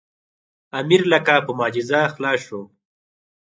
امیر لکه په معجزه خلاص شو.